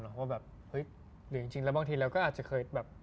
หรือบางทีแล้วก็อาจจะเคย